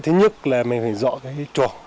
thứ nhất là mình phải dọn chuồng